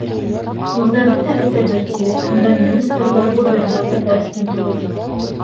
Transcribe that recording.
Юлда бөтәбеҙ ҙә бер тигеҙ, унда министр ҙа, губернатор ҙа өҫтөн түгел.